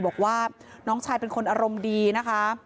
บอกว่าน้องชายเป็นคนอารมณ์ดีนะคะ